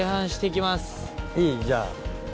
いい？じゃあ。